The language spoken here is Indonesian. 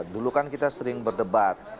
dulu kan kita sering berdebat